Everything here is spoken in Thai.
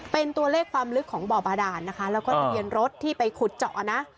เป็นตัวเลขความลึกของบ่อบาดานนะคะแล้วก็ทะเบียนรถที่ไปขุดเจาะนะ